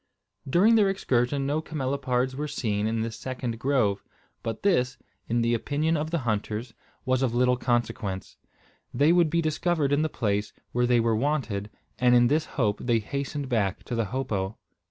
During their excursion no camelopards were seen in this second grove; but this, in the opinion of the hunters, was of little consequence. They would be discovered in the place where they were wanted; and in this hope they hastened back to the hopo.